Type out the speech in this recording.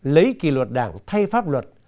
lấy kỳ luật đảng thay pháp luật